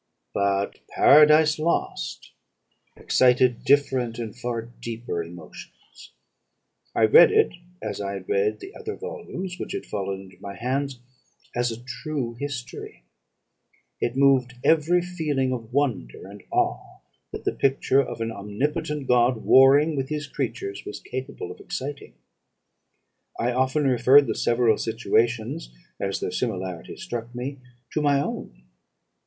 "But 'Paradise Lost' excited different and far deeper emotions. I read it, as I had read the other volumes which had fallen into my hands, as a true history. It moved every feeling of wonder and awe, that the picture of an omnipotent God warring with his creatures was capable of exciting. I often referred the several situations, as their similarity struck me, to my own.